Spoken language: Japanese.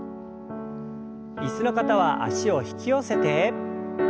椅子の方は脚を引き寄せて。